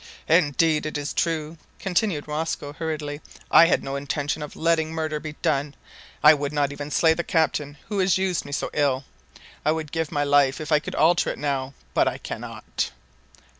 "Indeed it is true," continued Rosco hurriedly. "I had no intention of letting murder be done. I would not even slay the captain who has used me so ill. I would give my life if I could alter it now but I cannot."